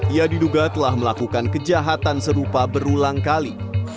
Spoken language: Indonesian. ia diduga telah melakukan kejahatan serupa berulang kali